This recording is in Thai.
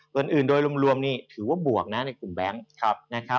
อเจมส์อื่นโดยรวมนี่ถือว่าบวกนะในกลุ่มแบงค์